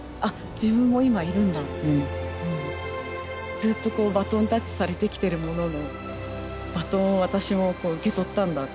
ずっとバトンタッチされてきてるもののバトンを私も受け取ったんだって思って。